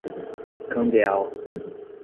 Candeal